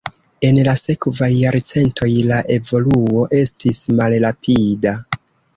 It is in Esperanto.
En la sekvaj jarcentoj la evoluo estis malrapida.